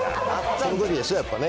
そのときでしょ、やっぱね。